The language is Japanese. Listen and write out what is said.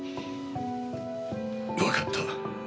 わかった。